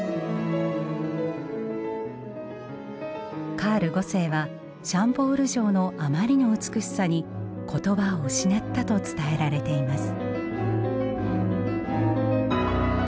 カール五世はシャンボール城のあまりの美しさに言葉を失ったと伝えられています。